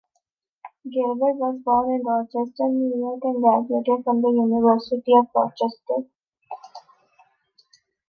Gilbert was born in Rochester, New York and graduated from the University of Rochester.